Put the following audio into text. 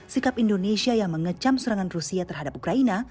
sikap indonesia yang mengecam serangan rusia terhadap ukraina